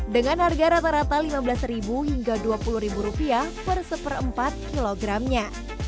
dengan harga rata rata lima belas hingga dua puluh rupiah per seperempat kilogramnya